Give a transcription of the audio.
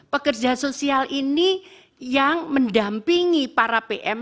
pekerja sosial ini yang mendampingi para pm